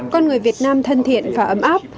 con người việt nam thân thiện và ấm áp